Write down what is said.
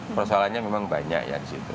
persoalannya memang banyak ya disitu